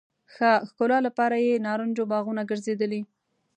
ښه ښکلا لپاره یې نارنجو باغونه ګرځېدلي.